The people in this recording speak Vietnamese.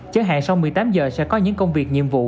chẳng hạn sau một mươi tám giờ sẽ có những công việc nhiệm vụ